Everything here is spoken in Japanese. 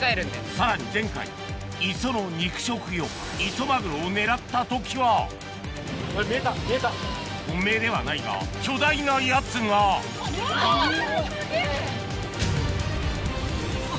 さらに前回磯の肉食魚イソマグロを狙った時は本命ではないが巨大なやつが・うわ！